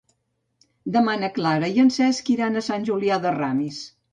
Demà na Clara i en Cesc iran a Sant Julià de Ramis.